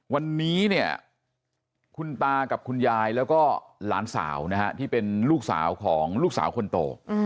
วันนี้เนี่ยคุณตากับคุณยายแล้วก็หลานสาวนะฮะที่เป็นลูกสาวของลูกสาวคนโต